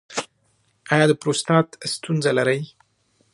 ایا د پروستات ستونزه لرئ؟